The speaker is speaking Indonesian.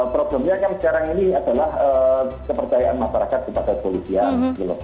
problemnya kan sekarang ini adalah kepercayaan masyarakat kepada polisian